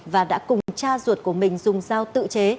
và đã cùng cha ruột của mình dùng dao tự chế